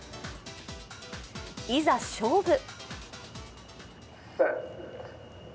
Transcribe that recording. いざ勝負！